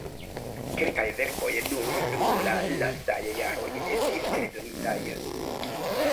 Kelkaj verkoj nur dum la lastaj jaroj estis eldonitaj.